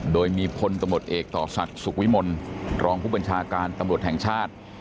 โดยมีพลตำรวจเอกต่อศักดิ์สุขวิมลรองผู้บัญชาการตำรวจแห่งชาติ